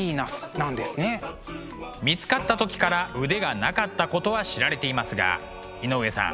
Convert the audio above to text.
見つかった時から腕がなかったことは知られていますが井上さん